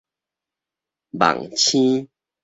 網星